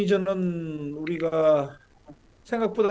saya ingin memberikan keterangan tim dan update tim